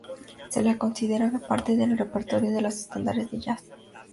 Se le considera parte del repertorio de estándares de jazz.